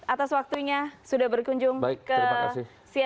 atas waktunya sudah berkunjung ke cnn indonesia